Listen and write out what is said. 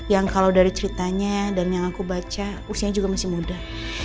yang kalau dari ceritanya dan yang aku baca usianya juga masih muda